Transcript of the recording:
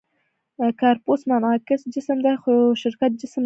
«کارپوس» معنس جسم دی؛ خو شرکت جسم نهلري.